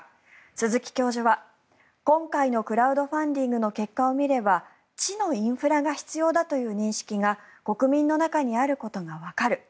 鈴木教授は今回のクラウドファンディングの結果を見れば知のインフラが必要だという認識が国民の中にあることがわかる。